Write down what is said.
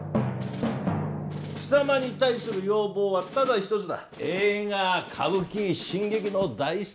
貴様に対する要望はただ一つだ。